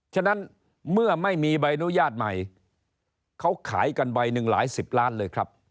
ฉะนั้นเมื่อไม่มีใบอนุญาตใหม่เขาขายกันใบหนึ่งหลายสิบล้านเลยครับ